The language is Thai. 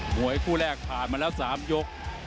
มวยคู่แรกผ่านมาแล้ว๓ยก